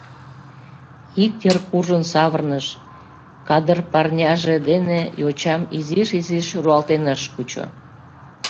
Ик йыр куржын савырныш, кадыр парняже дене йочам изиш-изиш руалтен ыш кучо.